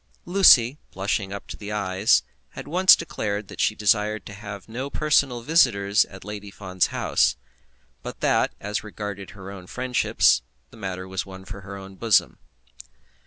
Lucy, blushing up to the eyes, had once declared that she desired to have no personal visitors at Lady Fawn's house; but that, as regarded her own friendships, the matter was one for her own bosom.